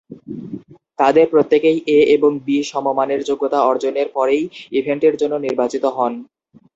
তাদের প্রত্যেকেই "এ" এবং "বি" সমমানের যোগ্যতা অর্জনের পরেই ইভেন্টের জন্য নির্বাচিত হন।